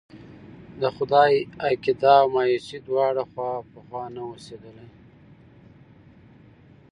د خدای عقيده او مايوسي دواړه خوا په خوا نه اوسېدلی.